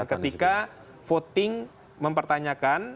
ketika voting mempertanyakan